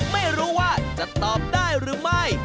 ไม่รู้ว่าจะตอบได้หรือไม่